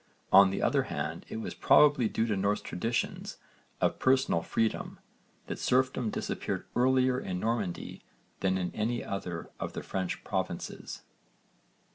On the other hand it was probably due to Norse traditions of personal freedom that serfdom disappeared earlier in Normandy than in any other of the French provinces.